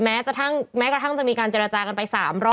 แม้กระทั่งจะมีการเจรจากันไป๓รอบ